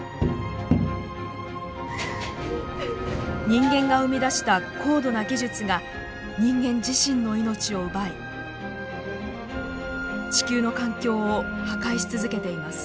人間が生み出した高度な技術が人間自身の命を奪い地球の環境を破壊し続けています。